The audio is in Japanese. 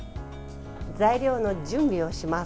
材料の準備をします。